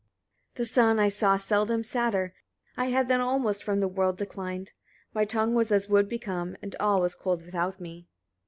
44. The sun I saw seldom sadder; I had then almost from the world declined: my tongue was as wood become, and all was cold without me.